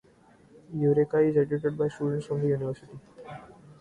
Eureka is edited by students from the University.